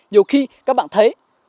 nhiều khi các bạn thấy